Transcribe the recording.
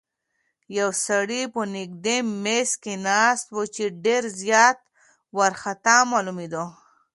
یو سړی په نږدې میز کې ناست و چې ډېر زیات وارخطا معلومېده.